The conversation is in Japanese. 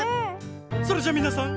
それじゃみなさん